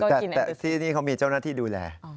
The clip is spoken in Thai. แต่ที่นี่เขามีเจ้าหน้าที่ดูแล